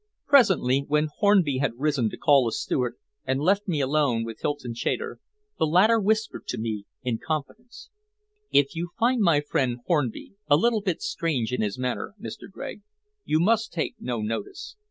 Presently, when Hornby had risen to call a steward and left me alone with Hylton Chater, the latter whispered to me in confidence "If you find my friend Hornby a little bit strange in his manner, Mr. Gregg, you must take no notice.